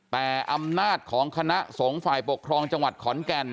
แต่อำนาจของคณะสงฆ์ฝ่ายปกครองจังหวัดขอนแก่น